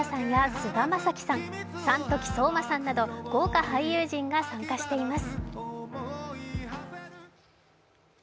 声優には木村拓哉さんや菅田将暉さん、山時聡真さんなど豪華俳優陣が参加しています。